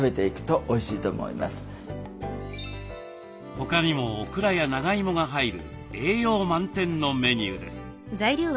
他にもオクラや長いもが入る栄養満点のメニューです。